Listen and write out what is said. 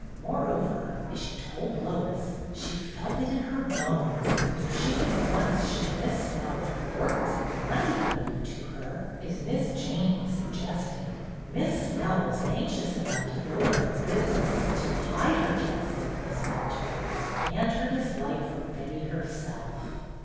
Moreover, as she told Lois, she ''felt it in her bones '' that if she could once show Miss Snell that her work was of money value to her, as Miss Jane had suggested. Miss Snell was anxious enough to build up her business to hide her jealousy of Miss Minturne and her dislike for Betty herself.